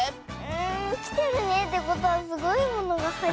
ん「きてるね」ってことはすごいものがはいってる。